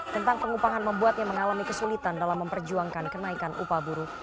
tentang pengupahan membuatnya mengalami kesulitan dalam memperjuangkan kenaikan upah buruh